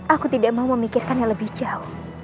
aku tidak mau memikirkan yang lebih jauh